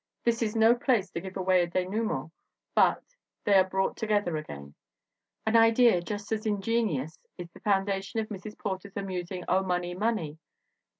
This is no place to give away a denouement but they are brought together again. An idea just as ingenious is the foundation of Mrs. Porter's amusing Oh, Money! Money!